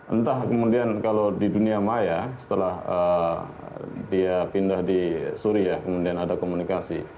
entah kemudian kalau di dunia maya setelah dia pindah di suria kemudian ada komunikasi